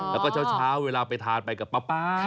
แล้วก็เช้าเวลาไปทานไปกับป๊า